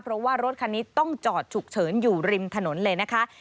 เพราะว่ารถคันนี้ต้องจอดฉุกเฉินอยู่ริมถนนเลยนะคะ